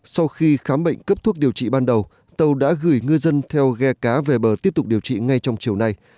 sau khi khám bệnh cấp thuốc điều trị ban đầu tàu đã gửi ngư dân theo ghe cá về bờ tiếp tục điều trị ngay trong chiều nay